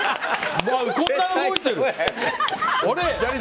こんなに動いてる！